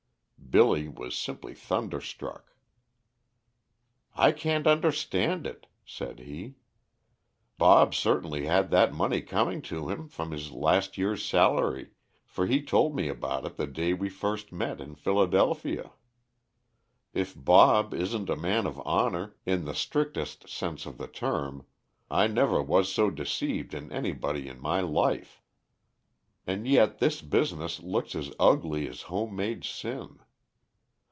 Billy was simply thunderstruck. "I can't understand it," said he; "Bob certainly had that money coming to him from his last year's salary, for he told me about it the day we first met in Philadelphia. If Bob isn't a man of honor, in the strictest sense of the term, I never was so deceived in anybody in my life. And yet this business looks as ugly as home made sin.